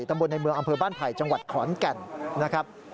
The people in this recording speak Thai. ตำบลในเมืองอำเภอบ้านไผ่จังหวัดขอนแก่นนะครับ